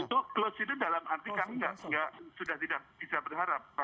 itu close itu dalam arti kami sudah tidak bisa berharap